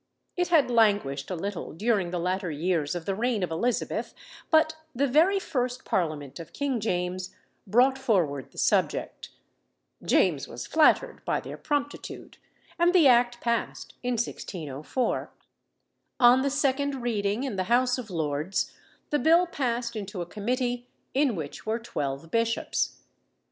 It had languished a little during the latter years of the reign of Elizabeth; but the very first parliament of King James brought forward the subject. James was flattered by their promptitude, and the act passed in 1604. On the second reading in the House of Lords, the bill passed into a committee, in which were twelve bishops.